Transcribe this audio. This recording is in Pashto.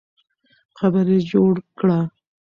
قبر یې جوړ کړه.